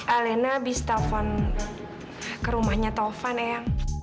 alena abis telepon ke rumahnya taufan ya